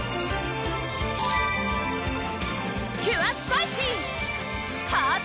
キュアスパイシー！